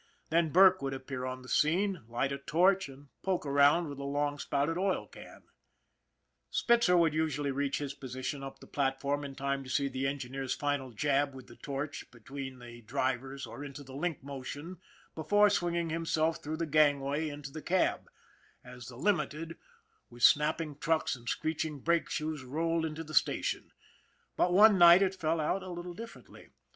Then Burke would appear on the scene, light a torch, and poke around with a long spouted oil can. Spitzer would usually reach his position up the plat form in time to see the engineer's final jab with the torch between the drivers or into the link motion be fore swinging himself through the gangway into the cab, as the Limited with snapping trucks and screech ing brake shoes rolled into the station; but one night it fell out a little differently.